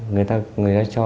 người ta cho